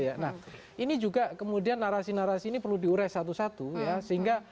nah ini juga kemudian narasi narasi ini perlu diurai satu satu ya sehingga